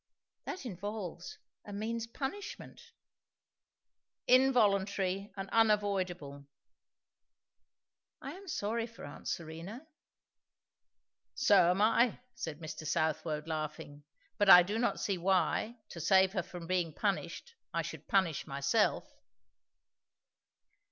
"That involves, and means, punishment." "Involuntary and unavoidable." "I am sorry for aunt Serena!" "So am I," said Mr. Southwode laughing; "but I do not see why, to save her from being punished, I should punish myself."